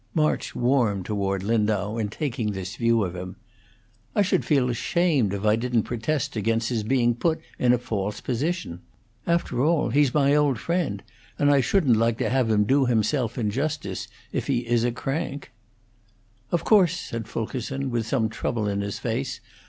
March warmed toward Lindau in taking this view of him. "I should feel ashamed if I didn't protest against his being put in a false position. After all, he's my old friend, and I shouldn't like to have him do himself injustice if he is a crank." "Of course," said Fulkerson, with some trouble in his face.